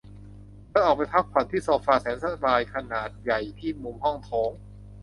เธอออกไปพ้กผ่อนที่โซฟาแสนสบายขนาดใหญ่ที่มุมห้องโถง